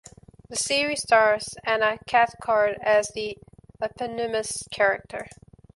The series stars Anna Cathcart as the eponymous character.